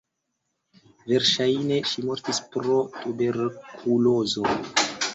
Verŝajne ŝi mortis pro tuberkulozo.